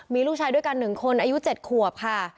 มีลูกชายด้วยกันหนึ่งคนอายุเจ็ดขวบค่ะ